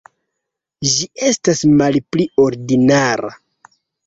Ĝi estas malpli ordinara.